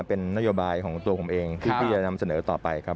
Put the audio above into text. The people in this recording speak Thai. เป็นนโยบายของตัวผมเองที่จะนำเสนอต่อไปครับ